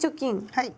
はい。